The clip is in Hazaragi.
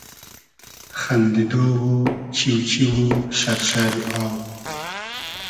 خئندیدۉ و چیو چیو و شئر شئری آو